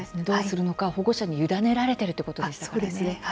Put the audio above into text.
どうするのか保護者に委ねられているということでしたからね。